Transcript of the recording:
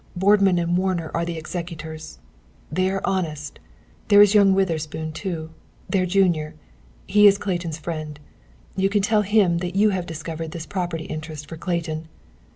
Boardman and Warner are the executors. They are honest. There is young Witherspoon, too, their junior; he is Clayton's friend. You can tell him that you have discovered this property interest for Clayton.